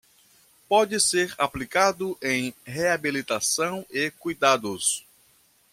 Pode ser aplicado em reabilitação e cuidados